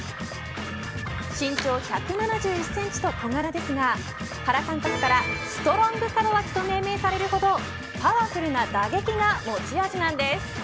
身長１７１センチと小柄ですが原監督から、ストロング門脇と命名されるほどパワフルな打撃が持ち味なんです。